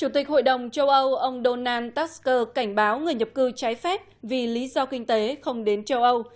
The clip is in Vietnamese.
trong phần tin quốc tế ec cảnh báo người nhập cư vì lý do kinh tế không đến châu âu